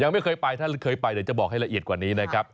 ไม่เคยไปถ้าเคยไปเดี๋ยวจะบอกให้ละเอียดกว่านี้นะครับ